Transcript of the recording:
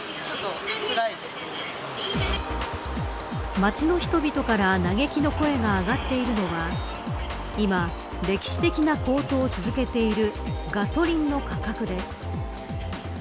街の人々から嘆きの声が上がっているのは今、歴史的な高騰を続けているガソリンの価格です。